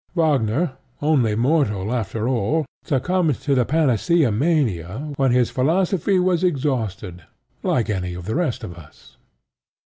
Wagner, only mortal after all, succumbed to the panacea mania when his philosophy was exhausted, like any of the rest of us.